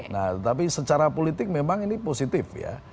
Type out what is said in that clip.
nah tetapi secara politik memang ini positif ya